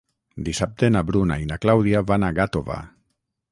Dissabte na Bruna i na Clàudia van a Gàtova.